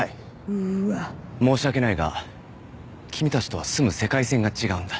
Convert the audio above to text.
うーわ申し訳ないが君たちとは住む世界線が違うんだ